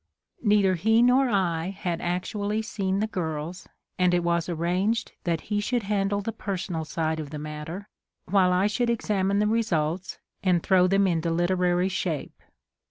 Neither he nor I had actually seen the girls, and it was arranged that he should handle the personal side of the matter, while I should examine the re sults and throw them into literary shape.